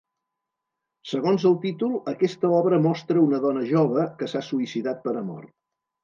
Segons el títol aquesta obra mostra una dona jove que s'ha suïcidat per amor.